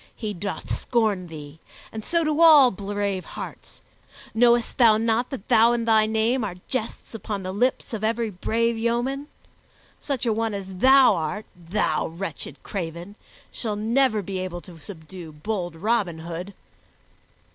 He doth scorn thee, and so do all brave hearts. Knowest thou not that thou and thy name are jests upon the lips of every brave yeoman? Such a one as thou art, thou wretched craven, will never be able to subdue bold Robin Hood."